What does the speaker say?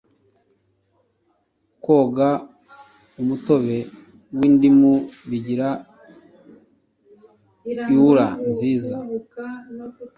koga u mutobe windimu bigira iura nziza